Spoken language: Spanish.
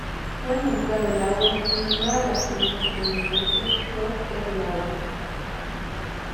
Fue nombrado Lauer en honor al astrónomo estadounidense Tod R. Lauer.